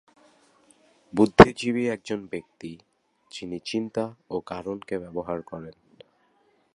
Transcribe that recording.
বুদ্ধিজীবী একজন ব্যক্তি, যিনি চিন্তা ও কারণকে ব্যবহার করেন।